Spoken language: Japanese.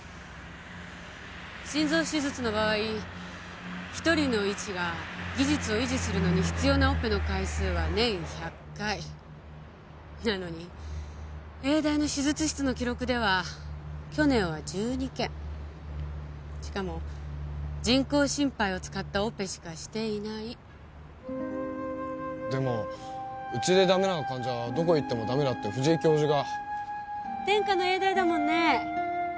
心臓手術の場合一人の医師が技術を維持するのに必要なオペの回数は年１００回なのに永大の手術室の記録では去年は１２件しかも人工心肺を使ったオペしかしていないでもウチでダメな患者はどこに行ってもダメだと藤井教授が天下の永大だもんね